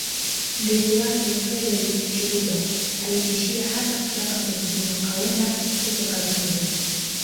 Mrithi wake Frederich Chiluba alitishia hata kutaka kumfuza Kaunda kutoka Zambia